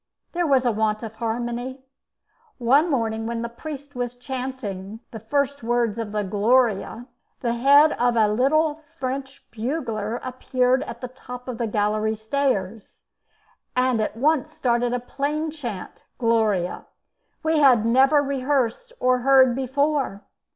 There was a want of harmony. One morning when the priest was chanting the first words of the Gloria, the head of a little French bugler appeared at the top of the gallery stairs, and at once started a plaint chant, Gloria, we had never rehearsed or heard before.